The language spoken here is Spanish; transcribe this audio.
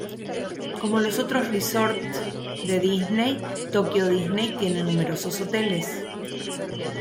Como los otros resorts de Disney, Tokio Disney tiene numerosos hoteles.